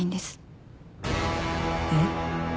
えっ？